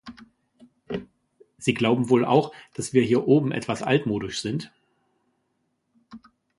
Sie glauben wohl auch, dass wir hier oben etwas altmodisch sind.